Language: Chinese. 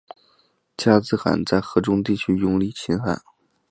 加兹罕在河中地区拥立新汗。